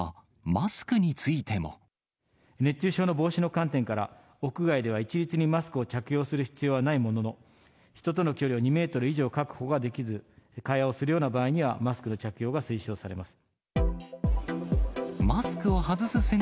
熱中症の防止の観点から、屋外では一律にマスクを着用する必要はないものの、人との距離を２メートル以上確保ができず、会話をするような場合には、マスクの着用が推奨されます。